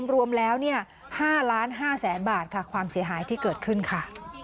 รวมแล้ว๕๕๐๐๐๐บาทค่ะความเสียหายที่เกิดขึ้นค่ะ